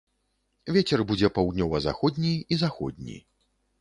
Вецер будзе паўднёва-заходні і заходні.